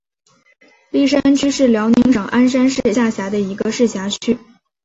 立山区是辽宁省鞍山市下辖的一个市辖区。